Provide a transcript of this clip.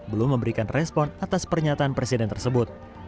belum memberikan respon atas pernyataan presiden tersebut